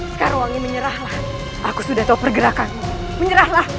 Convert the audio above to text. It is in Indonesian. sekarwangi menyerahlah aku sudah tahu pergerakanmu menyerahlah